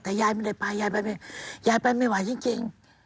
แต่ยายไม่ได้ไปยายไปยายไปไม่ไหวจริง